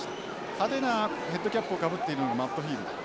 派手なヘッドキャップをかぶっているのがマットフィールド。